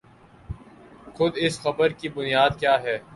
خر اس خبر کی بنیاد کیا ہے؟